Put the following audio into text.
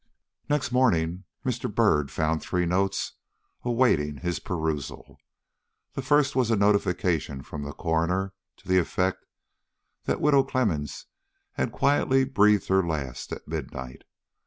Next morning, Mr. Byrd found three notes awaiting his perusal. The first was a notification from the coroner to the effect that the Widow Clemmens had quietly breathed her last at midnight.